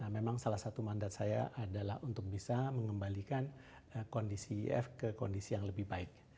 memang salah satu mandat saya adalah untuk bisa mengembalikan kondisi if ke kondisi yang lebih baik